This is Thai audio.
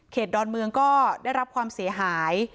ดอนเมืองก็ได้รับความเสียหาย